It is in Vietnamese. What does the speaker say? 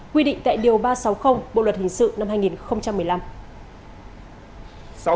quy định tại điều ba trăm sáu mươi bộ luật hình sự năm hai nghìn một mươi năm